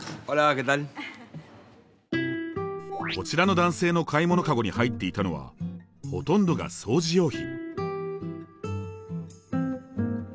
こちらの男性の買い物カゴに入っていたのはほとんどが掃除用品。